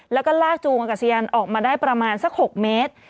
แล้วก็ลากจูงอากาศยานออกมาได้ประมาณสัก๖เมตร